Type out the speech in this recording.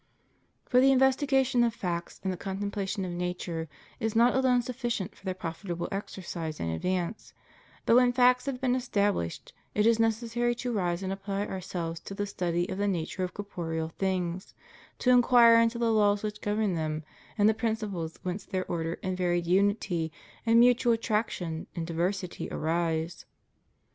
For the investigation of facts and the con templation of nature is not alone sufficient for their profit able exercise and advance; but when facts have been estabhshed it is necessary to rise and apply ourselves to the study of the nature of corporeal things, to inquire into the laws which govern them and the principles whence their order and varied unity and mutual attraction in diversity arise.